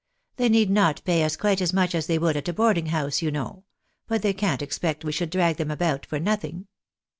They need not pay us quite as much as they would at a board ing house, you know ; but they can't expect we should drag them about for nothing."